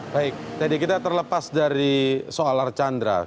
baik tadi kita terlepas dari soal archandra